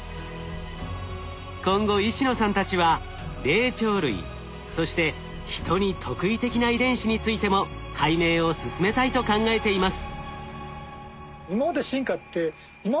今後石野さんたちは霊長類そしてヒトに特異的な遺伝子についても解明を進めたいと考えています。